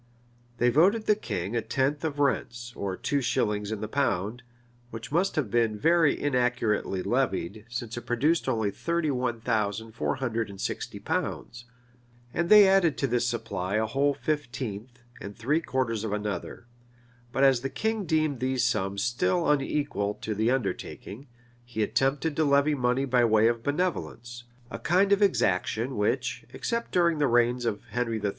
They voted the king a tenth of rents, or two shillings in the pound; which must have been very inaccurately levied, since it produced only thirty one thousand four hundred and sixty pounds; and they added to this supply a whole fifteenth, and three quarters of another;[] but as the king deemed these sums still unequal to the undertaking, he attempted to levy money by way of benevolence, a kind of exaction which, except during the reigns of Henry III.